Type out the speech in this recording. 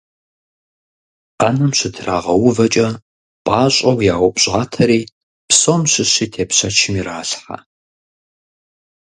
Ӏэнэм щытрагъэувэкӀэ пӀащӀэу яупщӀатэри, псом щыщи тепщэчым иралъхьэ.